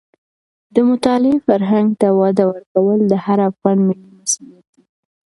د مطالعې فرهنګ ته وده ورکول د هر افغان ملي مسوولیت دی.